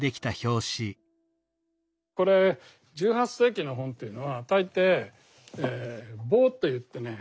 これ１８世紀の本というのは大抵ボーといってね